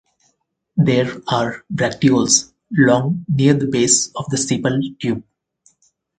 There are bracteoles long near the base of the sepal tube.